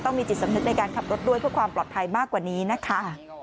มีจิตสำนึกในการขับรถด้วยเพื่อความปลอดภัยมากกว่านี้นะคะ